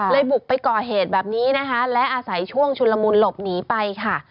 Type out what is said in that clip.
บุกไปก่อเหตุแบบนี้นะคะและอาศัยช่วงชุนละมุนหลบหนีไปค่ะ